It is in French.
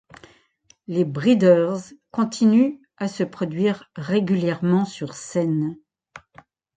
Les Breeders continuent à se produire régulièrement sur scène.